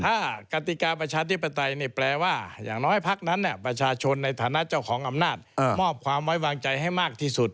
ถ้ากติกาประชาธิปไตยนี่แปลว่าอย่างน้อยพักนั้นประชาชนในฐานะเจ้าของอำนาจมอบความไว้วางใจให้มากที่สุด